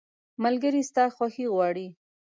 ملګری ستا خوښي غواړي.